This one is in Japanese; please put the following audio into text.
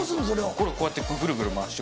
これこうやってぐるぐる回して。